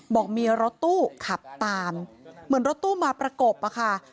บอกมีรถตู้ขับตามเหมือนรถตู้มาประกบอะค่ะ